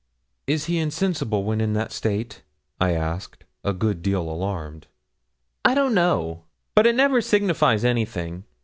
'Is he insensible when in that state?' I asked, a good deal alarmed. 'I don't know; but it never signifies anything.